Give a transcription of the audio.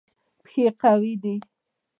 پښې قوي دي.